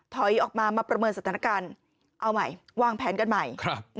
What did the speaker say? ถอยออกมามาประเมินสถานการณ์เอาใหม่วางแผนกันใหม่